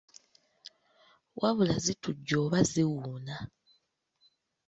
Wabula zitujja oba ziwuuna.